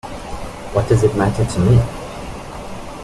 What does it matter to me?